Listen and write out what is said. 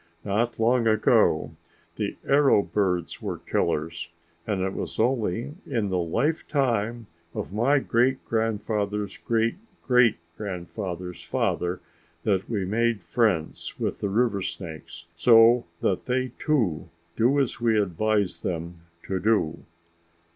Not long ago the arrow birds were killers, and it was only in the lifetime of my great grandfather's great great grandfather's father that we made friends with the river snakes, so that they, too, do as we advise them to do."